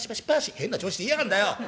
変な調子で言いやがんだよ。